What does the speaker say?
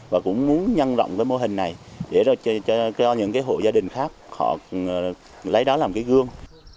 và cũng muốn nhân rộng cái mô hình này để cho những cái hộ gia đình khác họ lấy đó làm cái gương